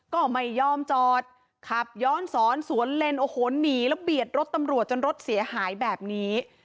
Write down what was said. ก็ไม่ยอมจอดขับย้อนสอนสวนเลนโอ้โหหนีแล้วเบียดรถตำรวจจนรถเสียหายแบบนี้